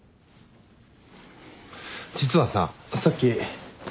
実はささっき